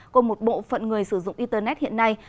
của một bộ phận người sử dụng internet hiện nay